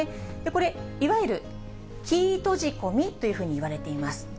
これ、いわゆるキー閉じ込みというふうにいわれています。